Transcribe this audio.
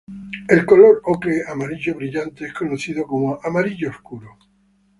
El color ocre amarillo brillante es conocido como "amarillo oscuro".